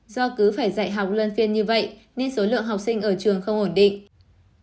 do cứ phải dạy học luân phiên như vậy nên số lượng học sinh ở trường không ổn định